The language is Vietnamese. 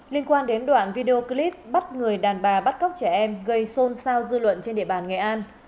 liên quan đến đoạn video clip bắt người đàn bà bắt cóc trẻ em gây xôn xao dư luận trên địa bàn nghệ an